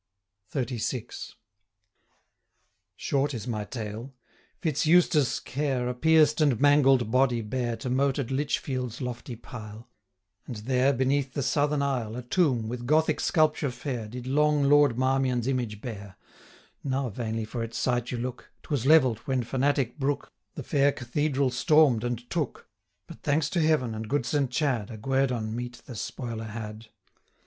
XXXVI. Short is my tale: Fitz Eustace' care A pierced and mangled body bare To moated Lichfield's lofty pile; 1090 And there, beneath the southern aisle, A tomb, with Gothic sculpture fair, Did long Lord Marmion's image bear, (Now vainly for its site you look; 'Twas levell'd, when fanatic Brook 1095 The fair cathedral storm'd and took; But, thanks to Heaven, and good Saint Chad, A guerdon meet the spoiler had!)